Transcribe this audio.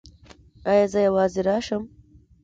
ایا زه یوازې راشم؟